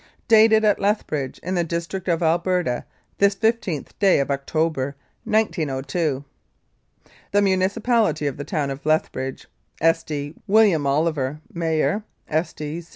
"Dated at Lethbridge, in the district of Alberta, this i$th day of October, 1902. "THE MUNICIPALITY OF THE TOWN OF LETHBRIDGE, "(Sd.) WILLIAM OLIVER, Mayor.